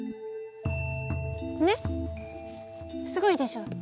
ねっすごいでしょ。